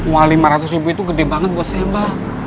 uang lima ratus ribu itu gede banget buat saya mbak